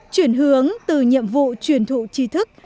chuyển hướng từ nhiệm vụ truyền thụ chi thức